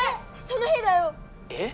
その日だよ！え？